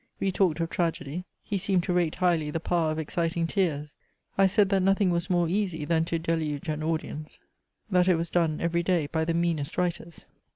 We talked of tragedy. He seemed to rate highly the power of exciting tears I said that nothing was more easy than to deluge an audience, that it was done every day by the meanest writers.